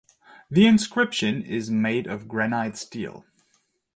The inscription is made of granite stele.